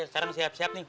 sekarang siap siap nih